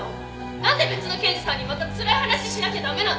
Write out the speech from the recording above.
なんで別の刑事さんにまたつらい話しなきゃ駄目なの？